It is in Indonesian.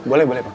boleh boleh pak